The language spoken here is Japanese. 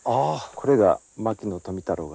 これが牧野富太郎が。